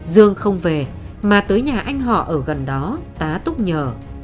dương không về mà tới nhà anh họ ở gần đó tá túc nhờ